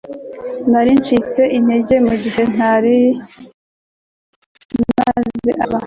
Nari ncitse intege mugihe ntari maze amezi ntamwumva